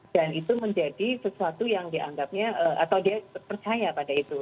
dan itu menjadi sesuatu yang dianggapnya atau dia percaya pada itu